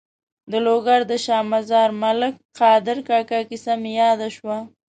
د لوګر د شا مزار ملک قادر کاکا کیسه مې یاده شوه.